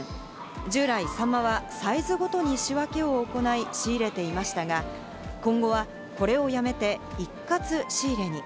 従来、サンマはサイズごとに仕分けを行い、仕入れていましたが、今後は、これをやめて一括仕入れに。